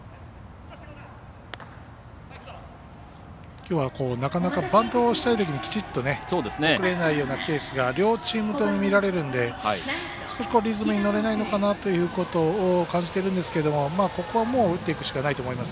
きょうは、なかなかバントしたいときにきちっと送れないようなケースが両チームとも見られるんで少しリズムにのれないのかなというのを感じているんですけども、ここは打っていくしかないと思います。